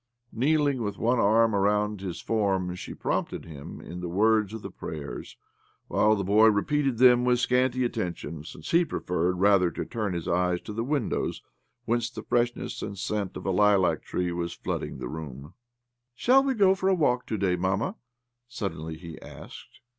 Kneehng with one arm around his form, she prompted him in the words of the prayers, while the boy repeated them with scanty attention, since he preferred, rather, to turn his eyes to the windows, whence the fresh ness and scent of a lilac tree was flooding the room. " Shall we go for a walk to day, mamma?" suddenly he' asked.